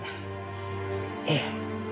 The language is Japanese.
ええ。